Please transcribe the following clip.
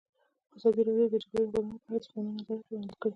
ازادي راډیو د د جګړې راپورونه په اړه د ځوانانو نظریات وړاندې کړي.